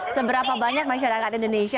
seberapa banyak masyarakat indonesia